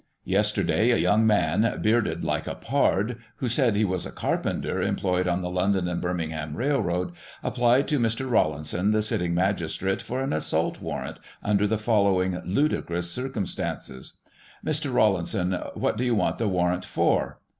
— ^Yesterday, a yoimg man, " bearded like the pard," who said he was a carpenter employed on the London and Birmingham Railroad, applied to Mr. Rawlinson, the sitting magistrate, for an assault warrant, under the following ludicrous circumstances : Mr. Rawlinson : What do you want the warrant for